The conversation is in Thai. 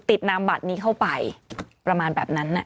นามบัตรนี้เข้าไปประมาณแบบนั้น